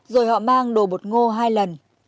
rồi họ mang đồ bột ngô hai lần